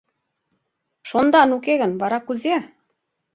— Шондан уке гын, вара кузе?